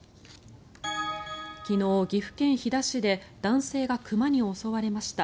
昨日、岐阜県飛騨市で男性が熊に襲われました。